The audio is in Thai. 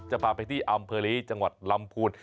จะพาไปที่อำเภอลีจังหวัดลำพูน